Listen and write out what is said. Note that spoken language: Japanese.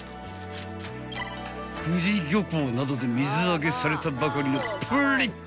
［久慈漁港などで水揚げされたばかりのプリップリ］